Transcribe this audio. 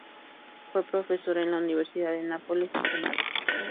Fue profesor en la Universidad de Nápoles y senador.